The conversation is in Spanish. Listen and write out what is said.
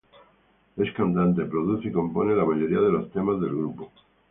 Es cantante, produce y compone la mayoría de los temas del grupo.